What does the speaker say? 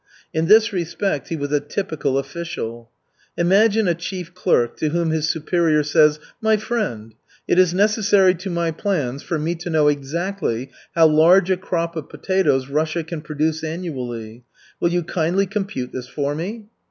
In this respect he was a typical official. Imagine a chief clerk to whom his superior says: "My friend, it is necessary to my plans for me to know exactly how large a crop of potatoes Russia can produce annually. Will you kindly compute this for me?"